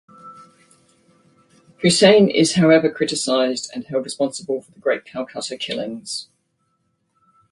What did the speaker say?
Huseyn is however criticized and held responsible for the Great Calcutta Killings.